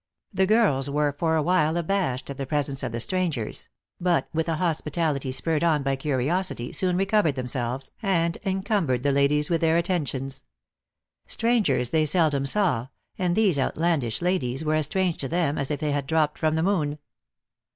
The girls were for a while abashed at the presence of the strang ers ; but, with a hospitality spurred on by curiosity, soon recovered themselves, and encumbered the ladies with their attentions. Strangers they seldom saw, and these outlandish ladies were as strange to them as if they had dropped from the moon.